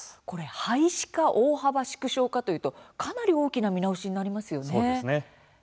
廃止か大幅縮小かというとかなり大きな見直しになりますね。